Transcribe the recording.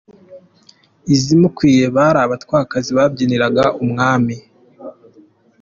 Izimukwiye : Bari abatwakazi babyiniraga Umwami.